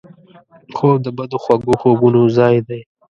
خوب د بدو خوږو خوبونو ځای دی